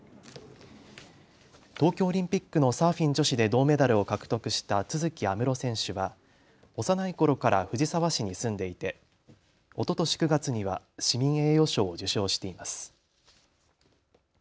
東京オリンピックのサーフィン女子で銅メダルを獲得した都筑有夢路選手は幼いころから藤沢市に住んでいておととし９月には市民栄誉賞を受賞しています。